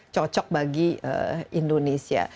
cocok bagi indonesia